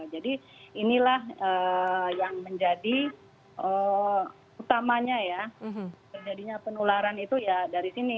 jadi inilah yang menjadi utamanya ya penularan itu ya dari sini